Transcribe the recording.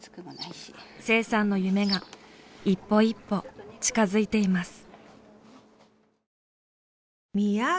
清さんの夢が一歩一歩近づいています。